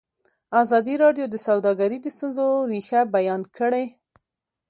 ازادي راډیو د سوداګري د ستونزو رېښه بیان کړې.